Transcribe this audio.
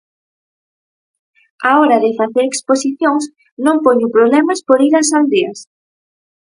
Á hora de facer exposicións non poño problemas por ir ás aldeas.